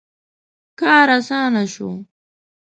• کار آسانه شو.